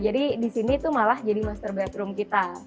jadi disini itu malah jadi master bedroom kita